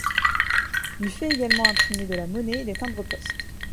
Il fait également imprimer de la monnaie et des timbres-poste.